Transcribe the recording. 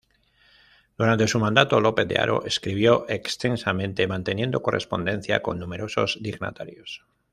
Durante su mandato, López de Haro escribió extensamente manteniendo correspondencia con numerosos dignatarios.